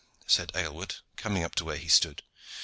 said Aylward, coming up to where he stood.